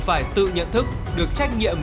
phải tự nhận thức được trách nhiệm